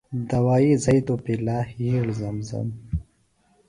دوائی زھئی توۡ پِلہ یِھیڑ زم زم۔